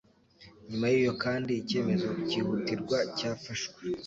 Nyuma y'iyo kandi, icyemezo kihutirwa cyafashwe